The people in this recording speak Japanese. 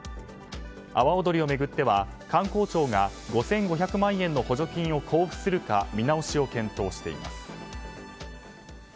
阿波おどりを巡っては観光庁が５５００万円の補助金を交付するか見直しを検討しています。